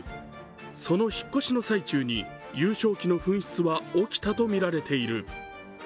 その引っ越しの最中に優勝旗の紛失は起きたとみられている。